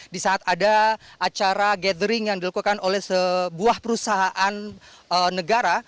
di saat ada acara gathering yang dilakukan oleh sebuah perusahaan negara